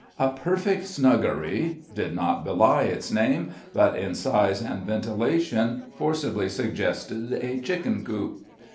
"A Perfect Snuggery" did not belie its name, but in size and ventilation forcibly suggested a chicken coop.